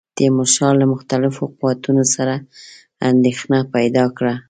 تیمورشاه له مختلفو قوتونو سره اندېښنه پیدا کړه.